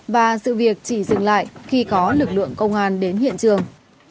và sự việc chỉ dừng lại khi có lực lượng công an đến hiện trường